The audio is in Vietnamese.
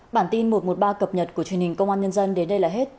bản tin một trăm một mươi ba cập nhật của truyền hình công an nhân dân đến đây là hết